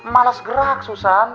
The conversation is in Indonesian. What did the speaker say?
males gerak susan